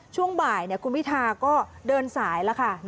ช่วงบ่ายคุณพิธาก็เดินสายแล้วค่ะ